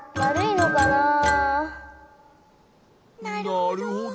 なるほど。